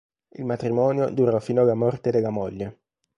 Il matrimonio durò fino alla morte della moglie.